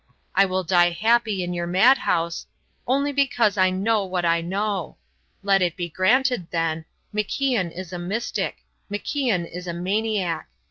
I will die happy in your madhouse, only because I know what I know. Let it be granted, then MacIan is a mystic; MacIan is a maniac.